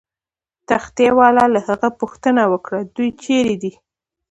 تختې والاو له هغه پوښتنه وکړه: دوی چیرې دي؟